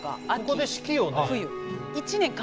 ここで四季をね。